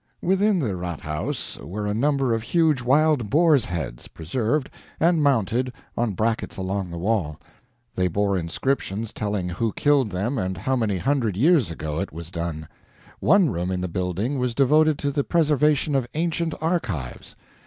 Within the RATHHAUS were a number of huge wild boars' heads, preserved, and mounted on brackets along the wall; they bore inscriptions telling who killed them and how many hundred years ago it was done. One room in the building was devoted to the preservation of ancient archives.